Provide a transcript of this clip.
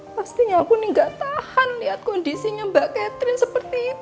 pastinya aku nih gak tahan lihat kondisinya mbak catherine seperti itu